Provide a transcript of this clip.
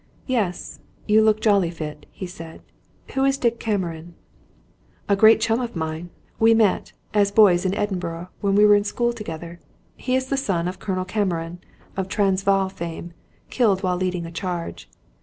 "Yes, you look jolly fit," he said. "Who is Dick Cameron?" "A great chum of mine. We met, as boys in Edinburgh, and were at school together. He is the son of Colonel Cameron of Transvaal fame, killed while leading a charge.